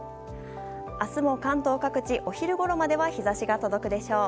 明日も関東各地、お昼ごろまでは日差しが届くでしょう。